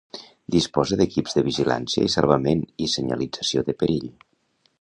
Disposa d'equips de vigilància i salvament i senyalització de perill.